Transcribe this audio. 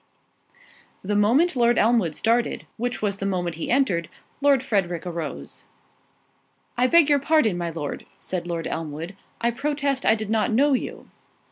The moment Lord Elmwood started, which was the moment he entered, Lord Frederick arose. "I beg your pardon, my Lord," said Lord Elmwood, "I protest I did not know you."